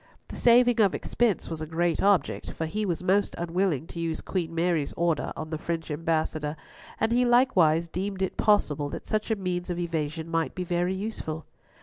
The saving of expense was a great object; for he was most unwilling to use Queen Mary's order on the French Ambassador, and he likewise deemed it possible that such a means of evasion might be very useful.